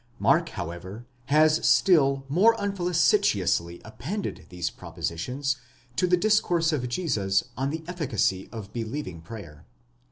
Mark, however, has still more infelicitously appended these propositions to the discourse of Jesus on the efficacy of believing prayer (xi.